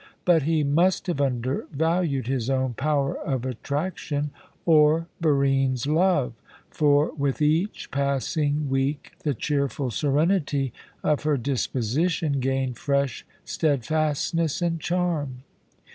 But he must have undervalued his own power of attraction or Barine's love for with each passing week the cheerful serenity of her disposition gained fresh steadfastness and charm.